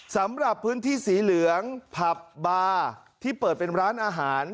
สำหรับพื้นที่สีเหลืองผับบาร์ที่เปิดเป็นร้านอาหาร